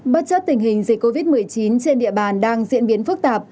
bất chấp tình hình dịch covid một mươi chín trên địa bàn đang diễn biến phức tạp